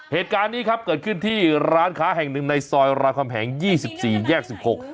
เหตุการณ์นี้ครับเกิดขึ้นที่ร้านค้าแห่งหนึ่งในซอยรามคำแห่ง๒๔แยก๑๖